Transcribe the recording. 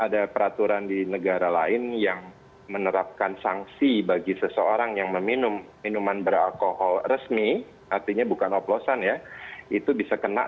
diatur dengan peraturan pemerintah